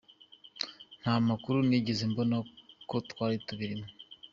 Nta makuru nigeze mbona ko twari tubirimo.